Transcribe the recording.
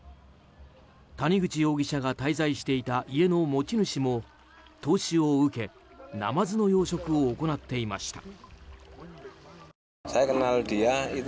谷口容疑者が滞在していた家の持ち主も投資を受けナマズの養殖を行っていました。